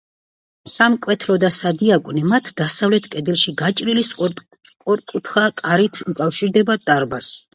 სამკვეთლო და სადიაკვნე მათ დასავლეთ კედელში გაჭრილი სწორკუთხა კარით უკავშირდება დარბაზს.